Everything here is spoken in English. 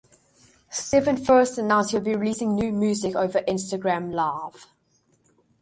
Sivan first announced he would be releasing new music over Instagram Live.